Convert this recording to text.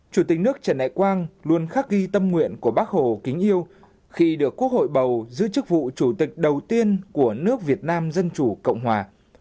chủ tịch nước trần đại quang luôn khắc ghi tâm nguyện của bác hồ kính yêu khi được quốc hội bầu giữ chức vụ chủ tịch đầu tiên của nước việt nam dân chủ cộng hòa